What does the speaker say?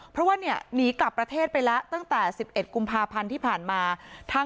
เพราะว่าเนี่ยหนีกลับประเทศไปแล้วตั้งแต่๑๑กุมภาพันธ์ที่ผ่านมา